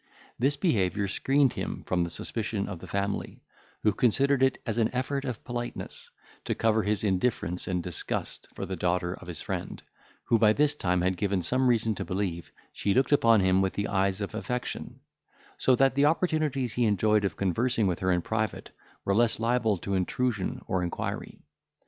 This behaviour screened him from the suspicion of the family, who considered it as an effort of politeness, to cover his indifference and disgust for the daughter of his friend, who had by this time given some reason to believe she looked upon him with the eyes of affection; so that the opportunities he enjoyed of conversing with her in private, were less liable to intrusion or inquiry.